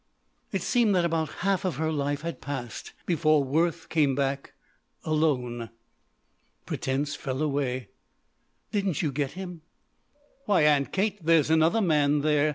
It seemed that about half of her life had passed before Worth came back alone. Pretense fell away. "Didn't you get him?" "Why, Aunt Kate, there's another man there.